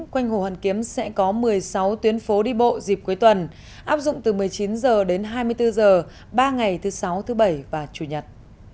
quanh hồ hoàn kiếm sẽ có một mươi sáu tuyến phố đi bộ dịp cuối tuần áp dụng từ một mươi chín h đến hai mươi bốn h ba ngày thứ sáu thứ bảy và chủ nhật